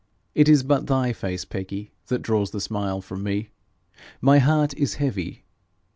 It is but thy face, Peggy, that draws the smile from me. My heart is heavy.